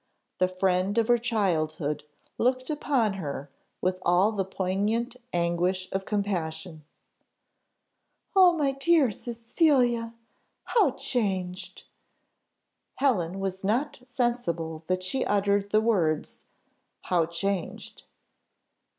The friend of her childhood looked upon her with all the poignant anguish of compassion "Oh! my dear Cecilia! how changed!" Helen was not sensible that she uttered the words "how changed!"